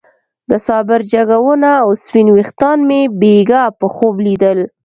د صابر جګه ونه او سپين ويښتان مې بېګاه په خوب ليدل.